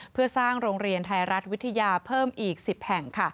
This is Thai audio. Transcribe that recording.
เพื่อสร้างโรงเรียนไทยรัฐวิทยาเพิ่มอีก๑๐แห่ง